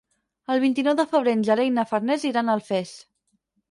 El vint-i-nou de febrer en Gerai i na Farners iran a Alfés.